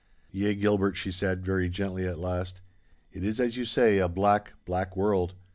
'Yea, Gilbert,' she said, very gently at last, 'it is as you say, a black, black world.